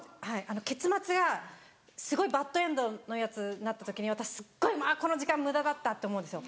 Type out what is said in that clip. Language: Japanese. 結末がすごいバッドエンドのやつなった時に私すごいこの時間無駄だった！って思うんですよ。